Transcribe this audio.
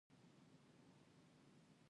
که ټول منلی ګډون نه وي برابر شوی.